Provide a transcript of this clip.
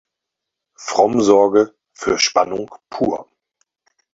Fromm sorge „für Spannung pur“.